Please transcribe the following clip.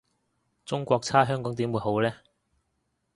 中國差香港點會好呢？